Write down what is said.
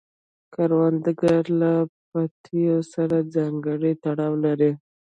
کروندګر له پټیو سره ځانګړی تړاو لري